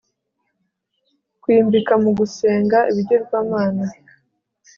kwimbika mu gusenga ibigirwamana